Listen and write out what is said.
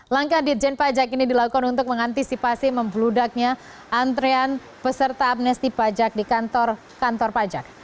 langkah dirjen pajak ini dilakukan untuk mengantisipasi membludaknya antrean peserta amnesti pajak di kantor kantor pajak